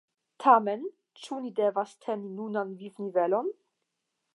Tamen, ĉu ni devas teni nunan vivnivelon?